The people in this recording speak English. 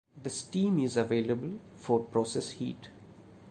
The steam is available for process heat.